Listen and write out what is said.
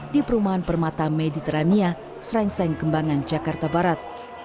di perumahan permata mediterania serengseng kembangan jakarta barat